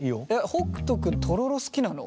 北斗君とろろ好きなの？